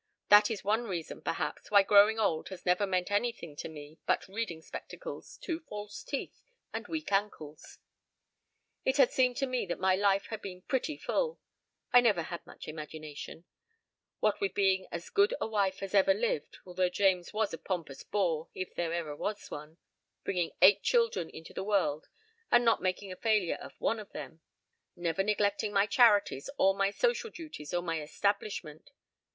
That is one reason, perhaps, why growing old has never meant anything to me but reading spectacles, two false teeth, and weak ankles. It had seemed to me that my life had been pretty full I never had much imagination what with being as good a wife as ever lived although James was a pompous bore if there ever was one bringing eight children into the world and not making a failure of one of them, never neglecting my charities or my social duties or my establishments.